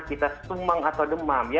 kita sumang atau demam